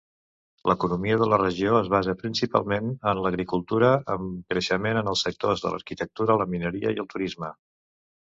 L'economia de la regió es basa principalment en l'agricultura, amb creixement en els sectors de l'aqüicultura, la mineria i el turisme.